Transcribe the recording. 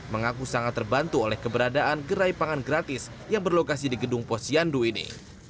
mengaku sangat terbantu oleh keberadaan gerai pangan gratis yang berlokasi di gedung posyandu ini